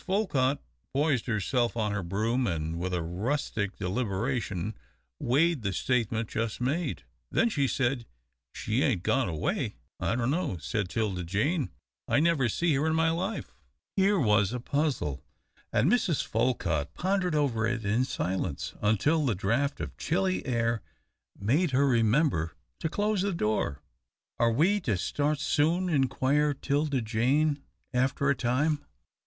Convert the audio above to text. Folcutt poised herself on her broom and with rustic deliberation weighed the statement just made. Then she said, "She ain't gone away?" "I dunno," said 'Tilda Jane, "I never see her in my life." Here was a puzzle, and Mrs. Folcutt pondered over it in silence, until the draught of chilly air made her remember to close the door. "Are we to start soon?" inquired 'Tilda Jane, after a time.